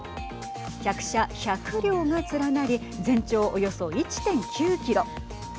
客車１００両が連なり全長およそ１．９キロ。